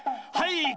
はい！